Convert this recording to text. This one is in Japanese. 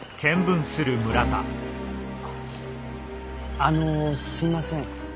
あのすみません。